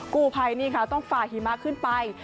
กู้ภัยนี่ค่ะต้องฝ่าหิมะขึ้นไป